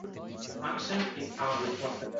Kutinglar, tun yaqin – visol yaqindir